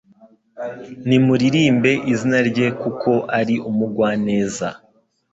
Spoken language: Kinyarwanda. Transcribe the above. nimuririmbe izina rye kuko ari umugwaneza